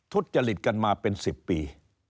ทุษย์จะหลิดกันมาเป็น๑๐ปี